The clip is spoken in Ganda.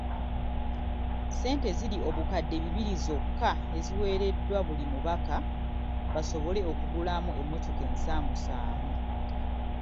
Ssente ziri obukadde bibiri zokka eziweereddwa buli mubaka basobole okugulamu emmotoka ensaamusaamu.